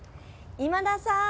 今田さん！